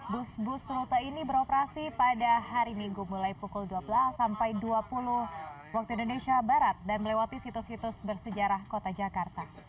bus bus rute ini beroperasi pada hari minggu mulai pukul dua belas sampai dua puluh waktu indonesia barat dan melewati situs situs bersejarah kota jakarta